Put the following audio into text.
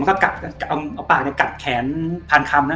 มันก็กัดเอาปากเนี่ยกัดแขนพันคำนะ